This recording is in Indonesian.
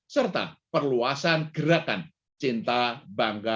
serta perluasan gerakan cinta bangga tiga t